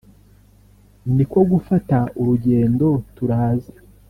niko gufata urugendo turaza